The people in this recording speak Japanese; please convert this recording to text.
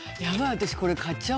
私。